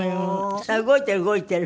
あっ動いてる動いてる！